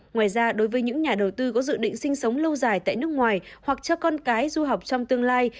ngoài ra đối với những nhà đầu tư có dự định sinh sống lâu dài tại nước ngoài hoặc cho con cái du học trong tương lai